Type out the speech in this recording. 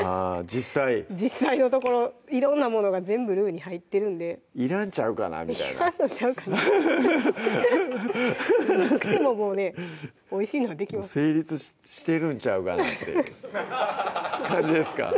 実際実際のところ色んなものが全部ルウに入ってるんでいらんちゃうかなみたいないらんのちゃうかななくてももうねおいしいのはできます成立してるんちゃうかなって感じですか